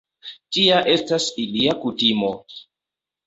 Tia estas ilia kutimo.